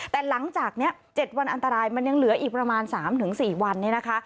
แต่หลังจากนี้๗วันอันตรายมันยังเหลืออีกประมาณ๓๔วันนี้นะคะ